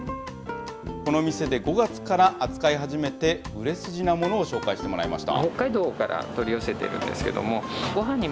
この店で５月から扱い始めて売れ筋なものを紹介してもらいました。